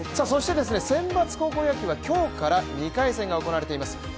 そして選抜高校野球は今日から２回戦が行われています。